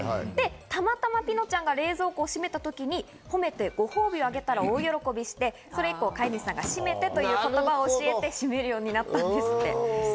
たまたまピノちゃんが冷蔵庫を閉めた時に褒めて、ご褒美をあげたら大喜びして、それ以降、飼い主さんが閉めてという言葉を教えて閉めるようになったんですって。